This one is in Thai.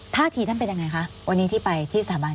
ท่าทีท่านเป็นยังไงคะวันนี้ที่ไปที่สถาบัน